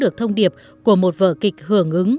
được thông điệp của một vờ kịch hưởng ứng